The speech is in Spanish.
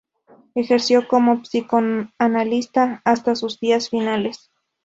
Ejerció como psicoanalista hasta sus días finales.